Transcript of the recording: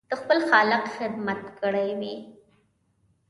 د خپل خالق خدمت کړی وي.